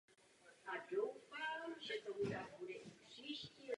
Tyto lodě byly součástí námořní blokády proti židovskému přistěhovalectví.